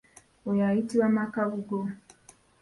Oyo ayitibwa makaabugo.